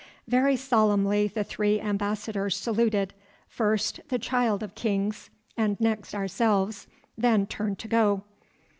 Very solemnly the three ambassadors saluted, first the Child of Kings and next ourselves, then turned to go.